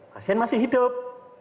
pasien masih hidup